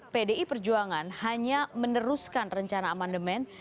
pdi perjuangan hanya meneruskan rencana amandemen